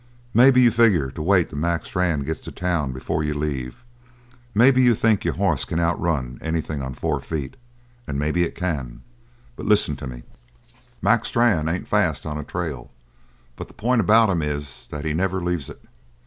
Maybe you figure to wait till Mac Strann gets to town before you leave; maybe you think your hoss can outrun anything on four feet. And maybe it can. But listen to me: Mac Strann ain't fast on a trail, but the point about him is that he never leaves it!